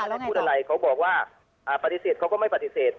แล้วไงครับพูดอะไรเขาบอกว่าอ่าปฏิเสธเขาก็ไม่ปฏิเสธ